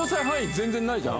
全然ないじゃん。